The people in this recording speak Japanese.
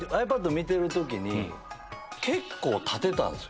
見てる時に結構立てたんですよ。